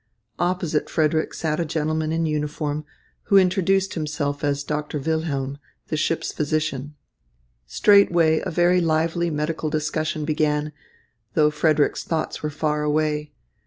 Opposite Frederick sat a gentleman in uniform, who introduced himself as Doctor Wilhelm, the ship's physician. Straightway a very lively medical discussion began, though Frederick's thoughts were far away.